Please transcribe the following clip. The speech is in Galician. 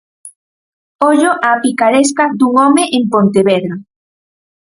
Ollo á picaresca dun home en Pontevedra.